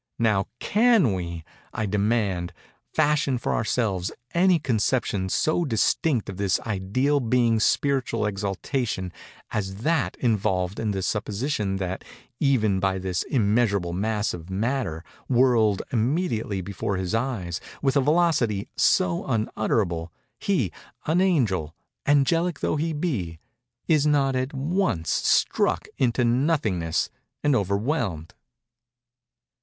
Now can we, I demand, fashion for ourselves any conception so distinct of this ideal being's spiritual exaltation, as that involved in the supposition that, even by this immeasurable mass of matter, whirled immediately before his eyes, with a velocity so unutterable, he—an angel—angelic though he be—is not at once struck into nothingness and overwhelmed?